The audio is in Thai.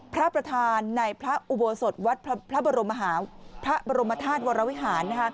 พระพระธานในพระอุโบสถวัฒน์พระบไหมฐาสทศวรวิหาร